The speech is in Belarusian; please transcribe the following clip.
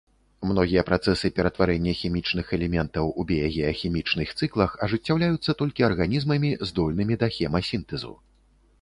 Многія працэсы ператварэння хімічных элементаў у біягеахімічных цыклах ажыццяўляюцца толькі арганізмамі, здольнымі да хемасінтэзу.